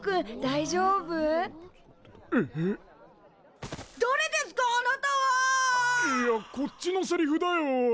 いやこっちのセリフだよ。